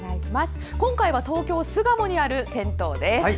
今回は東京・巣鴨にある銭湯です。